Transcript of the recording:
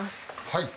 はい